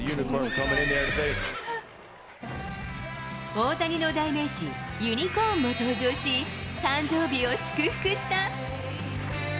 大谷の代名詞、ユニコーンも登場し、誕生日を祝福した。